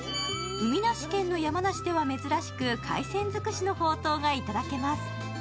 海なし県の山梨では珍しく海鮮尽くしのほうとうがいただけます。